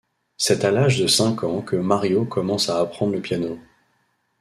C’est à l’âge de cinq ans que Mario commence à apprendre le piano.